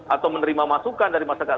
atau menerima masukan dari masyarakat